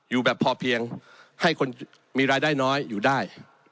อยู่แบบพอเพียงให้คนมีรายได้น้อยอยู่ได้